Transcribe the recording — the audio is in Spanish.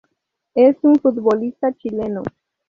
Es un futbolista chileno.